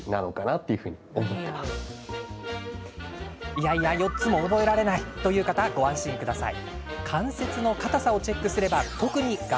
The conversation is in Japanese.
いやいや、４つも覚えられないという方、ご安心ください。